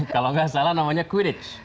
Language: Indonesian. kalau nggak salah namanya quiridge